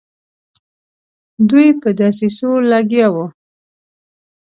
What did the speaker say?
دوی په دسیسو لګیا وه.